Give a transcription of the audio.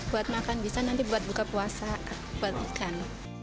buat makan bisa nanti buat buka puasa buat ikan